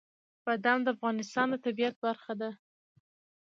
بادام د افغانستان د طبیعت برخه ده.